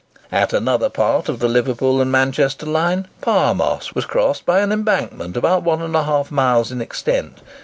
At another part of the Liverpool and Manchester line, Parr Moss was crossed by an embankment about 1½ mile in extent.